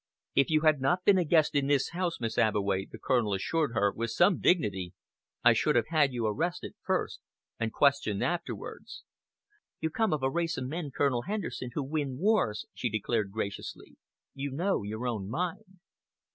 "If you had not been a guest in this house, Miss Abbeway," the Colonel assured her, with some dignity, "I should have had you arrested first and questioned afterwards." "You come of a race of men, Colonel Henderson, who win wars," she declared graciously. "You know your own mind."